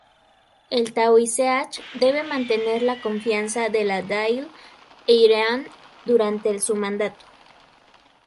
El Taoiseach debe mantener la confianza de la Dáil Éireann durante su mandato.